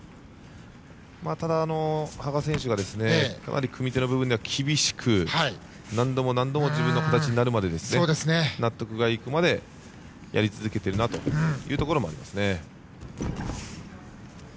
ただ、羽賀選手がかなり組み手の部分では厳しく何度も何度も自分の形になるまで納得がいくまでやり続けているなというのもありますね。